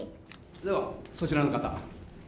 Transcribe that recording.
ではそちらの方。